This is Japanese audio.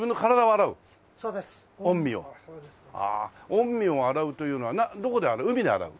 御身を洗うというのはどこで洗う海で洗う？